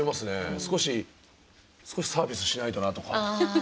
少し少しサービスしないとなとか。